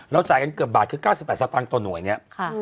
จ่ายกันเกือบบาทคือ๙๘สตางค์ต่อหน่วยเนี่ย